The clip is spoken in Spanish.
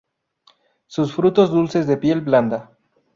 Sus frutos dulces de piel blanda.